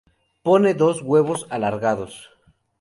Pone dos huevos alargados.